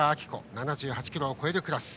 ７８ｋｇを超えるクラス。